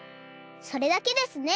それだけですね！